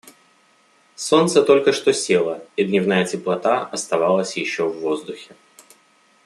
Солнце только что село, и дневная теплота оставалась еще в воздухе.